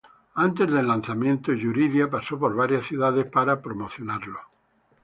Antes del lanzamiento, Yuridia paso por varias ciudades para promocionarlo.